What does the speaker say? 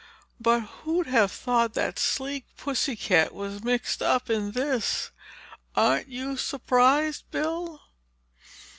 "But who'd have thought that sleek pussy cat was mixed up in this? Aren't you surprised, Bill?"